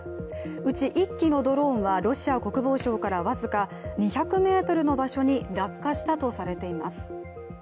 うち１機のドローンはロシア国防省から僅か２００ｍの場所に落下したとされています。